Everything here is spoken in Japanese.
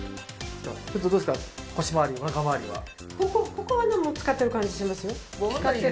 ここはでも使ってる感じしますよ